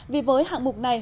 vì với hạng mục này